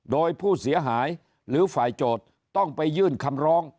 โดยผู้เสียหายหรือฝ่ายโจทย์ต้องไปยื่นคำร้อง